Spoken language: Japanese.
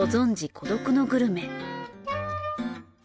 『孤独のグルメ』。